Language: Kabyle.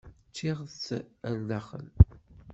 Ččiɣ-tt ar zdaxel.